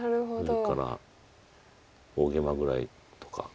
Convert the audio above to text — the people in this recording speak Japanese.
上から大ゲイマぐらいとか。